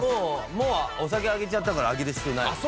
もうお酒あげちゃったからあげる必要ないですね。